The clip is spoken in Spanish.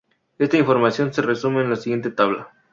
Esta información se resume en la siguiente tabla.